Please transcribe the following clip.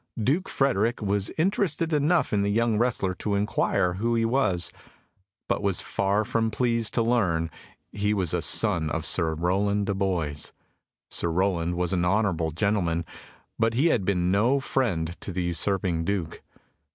Duke Frederick was interested enough in the young wrestler to inquire who he was, but was far from pleased to learn he was a son of Sir Rowland de Boys. Sir Rowland was an honourable gentleman, but he had been no friend to the usurping Duke.